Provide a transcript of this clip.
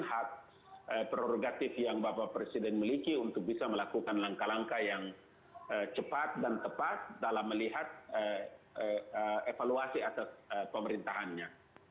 hak prerogatif yang bapak presiden miliki untuk bisa melakukan langkah langkah yang cepat dan tepat dalam melihat evaluasi atas pemerintahannya